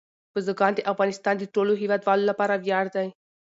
بزګان د افغانستان د ټولو هیوادوالو لپاره ویاړ دی.